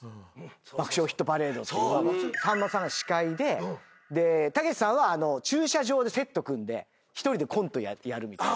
『爆笑ヒットパレード』さんまさんが司会ででたけしさんは駐車場でセット組んで１人でコントやるみたいな。